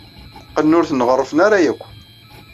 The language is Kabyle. Qqlen ur ten-ɣerrfen ara akka.